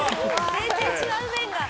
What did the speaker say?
全然違う面が。